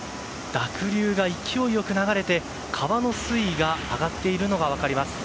濁流が勢いよく流れて川の水位が上がっているのが分かります。